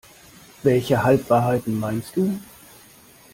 Welche Halbwahrheiten meinst du?